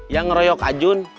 yang ngeroyok ajun